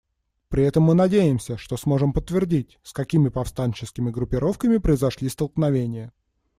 При этом мы надеемся, что сможем подтвердить, с какими повстанческими группировками произошли столкновения.